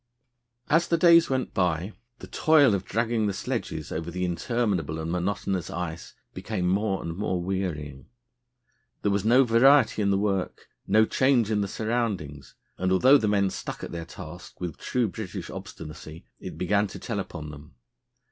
As the days went by, the toil of dragging the sledges over the interminable and monotonous ice became more and more wearying. There was no variety in the work, no change in the surroundings; and although the men stuck at their task with true British obstinacy, it began to tell upon them.